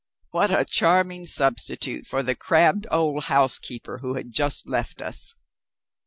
What a charming substitute for the crabbed old housekeeper who had just left us!